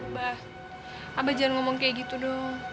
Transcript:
abah abah jangan ngomong kaya gitu dong